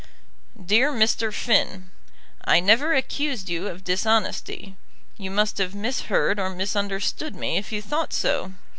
DEAR MR. FINN, I never accused you of dishonesty. You must have misheard or misunderstood me if you thought so.